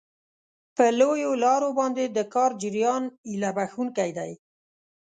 په لویو لارو باندې د کار جریان هیله بښونکی دی.